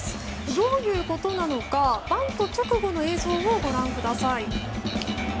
どういうことなのかバント直後の映像をご覧ください。